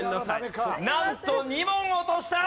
なんと２問落とした！